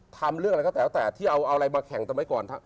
ทำเรื่องอะไรก็แล้วแต่ที่เอาอะไรมาแข่งสมัยก่อน